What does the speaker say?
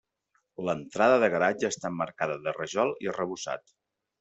L'entrada de garatge està emmarcada de rajol i arrebossat.